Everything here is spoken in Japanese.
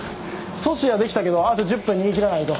阻止はできたけどあと１０分、逃げ切らないと。